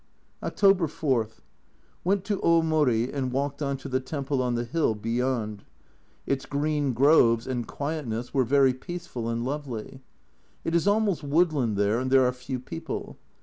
October 4. Went to Omori and walked on to the temple on the hill beyond. Its green groves and 224 A Journal from Japan quietness were very peaceful and lovely. It is almost woodland there, and there are few people.